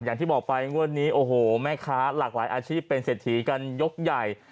อย่างที่บอกไปงวดนี้โอ้โหแม่ค้าหลากหลายอาชีพเป็นเศรษฐีกันยกใหญ่